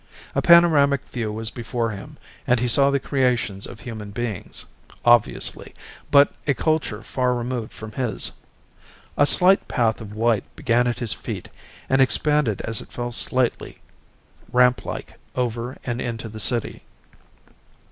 A panoramic view was before him and he saw the creations of human beings, obviously, but a culture far removed from his. A slight path of white began at his feet and expanded as it fell slightly, ramplike, over and into the city.